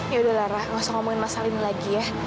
yaudah lara gak usah ngomongin masalah ini lagi ya